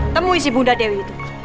temui bunda dewi itu